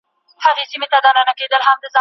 پکتین به په نوی بڼه د ټولنې چوپړ ته راڅرګند شی.